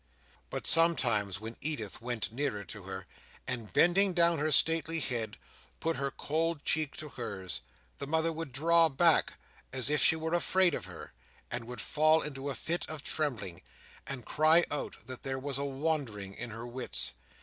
But, sometimes, when Edith went nearer to her, and bending down her stately head, put her cold cheek to hers, the mother would draw back as If she were afraid of her, and would fall into a fit of trembling, and cry out that there was a wandering in her wits.